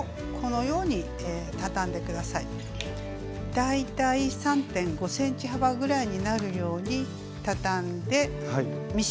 大体３．５ｃｍ幅ぐらいになるようにたたんでミシンをかけます。